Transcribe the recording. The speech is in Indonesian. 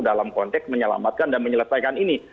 dalam konteks menyelamatkan dan menyelesaikan ini